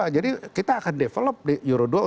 jadi kita akan develop euro dua untuk anda